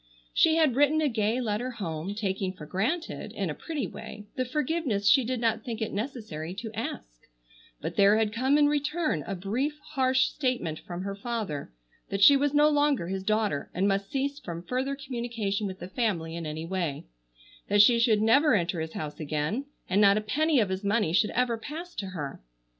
She had written a gay letter home, taking for granted, in a pretty way, the forgiveness she did not think it necessary to ask, but there had come in return a brief harsh statement from her father that she was no longer his daughter and must cease from further communication with the family in any way; that she should never enter his house again and not a penny of his money should ever pass to her.